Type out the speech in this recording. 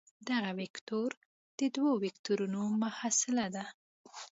دغه وکتور د دوو وکتورونو محصله ده.